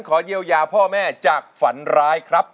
ขอเยียวยาพ่อแม่จากฝันร้ายครับ